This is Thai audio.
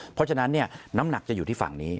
เพราะฉะนั้นน้ำหนักจะอยู่ที่ฝั่งนี้